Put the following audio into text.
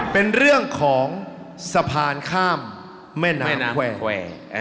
เป็นเรื่องของสะพานข้ามแม่น้ำแขว